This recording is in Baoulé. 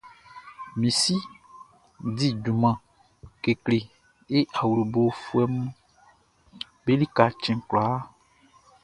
Min si di junman kekle e awlobofuɛʼm be lika cɛn kwlakwla.